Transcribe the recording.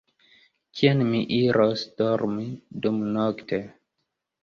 Kien mi iros dormi dumnokte?